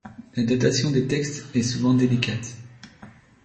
La datation des textes est souvent délicate.